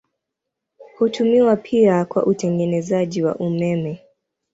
Hutumiwa pia kwa utengenezaji wa umeme.